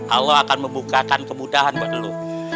allah akan membukakan kemudahan buat dulu